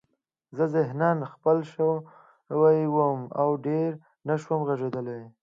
زه ذهناً ځپل شوی وم او ډېر نشوم غږېدلی